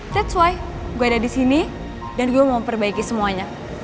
that's why gue ada disini dan gue mau perbaiki semuanya